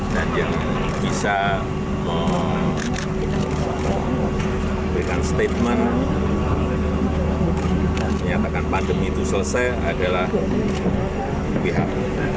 dan yang bisa memberikan statement menyatakan pandemi itu selesai adalah pihak